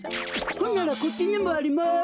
ほんならこっちにもあります。